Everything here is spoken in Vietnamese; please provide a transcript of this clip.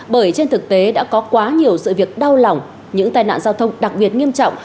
bởi trên thực tế đã có quá nhiều sự việc đau lòng những tai nạn giao thông đặc biệt nghiêm trọng